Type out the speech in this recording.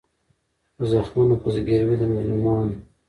په زخمونو په زګیروي د مظلومانو